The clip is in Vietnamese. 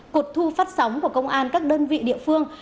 cột thu phát sóng của công an các đơn vị địa phương